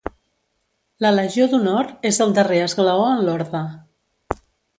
La Legió d'Honor és el darrer esglaó en l'orde.